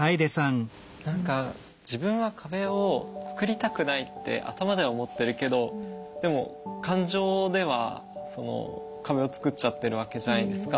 何か自分は壁を作りたくないって頭では思ってるけどでも感情では壁を作っちゃってるわけじゃないですか。